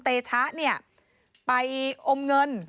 เผื่อเขายังไม่ได้งาน